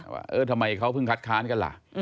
ว่าเออทำไมเขาเพิ่งคัดค้านกันล่ะ